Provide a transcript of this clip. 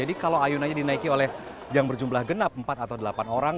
jadi kalau ayunannya dinaiki oleh yang berjumlah genap empat atau delapan orang